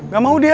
gak mau dia